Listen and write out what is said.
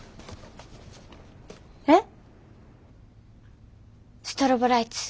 えっ！？